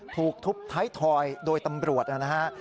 ถูกทุบท้ายทอยโดยตำรวจนะฮะ